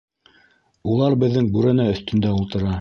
Улар беҙҙең бүрәнә өҫтөндә ултыра.